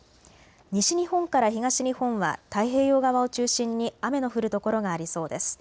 西日本から東日本は太平洋側を中心に雨の降る所がありそうです。